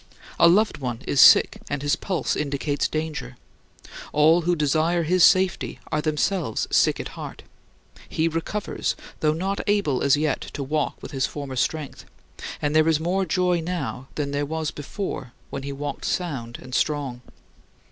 A loved one is sick and his pulse indicates danger; all who desire his safety are themselves sick at heart; he recovers, though not able as yet to walk with his former strength; and there is more joy now than there was before when he walked sound and strong.